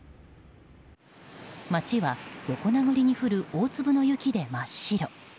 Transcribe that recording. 街は横殴りに降る大粒の雪で真っ白。